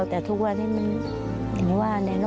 แต่ทุกวันนี้มันอย่างว่า